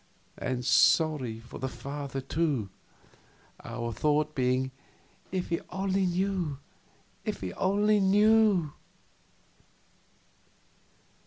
And sorry for the father, too; our thought being, "If he only knew if he only knew!"